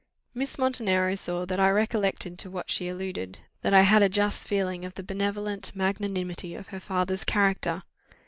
Miss Montenero saw that I recollected to what she alluded that I had a just feeling of the benevolent magnanimity of her father's character.